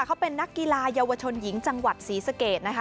เขาเป็นนักกีฬาเยาวชนหญิงจังหวัดศรีสะเกดนะคะ